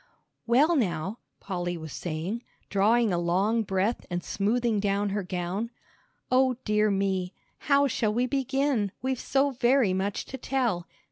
"Well, now," Polly was saying, drawing a long breath and smoothing down her gown; "O dear me! How shall we begin, we've so very much to tell?